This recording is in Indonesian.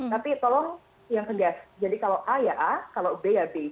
tapi tolong yang tegas jadi kalau a ya a kalau b ya b